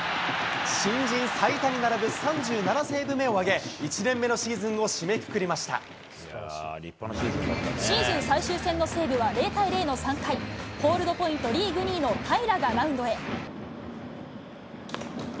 新人最多に並ぶ、３７セーブ目を挙げ、１年目のシーズンを締めくシーズン最終戦の西武は０対０の３回、ホールドポイントリーグ２位の平良がマウンドへ。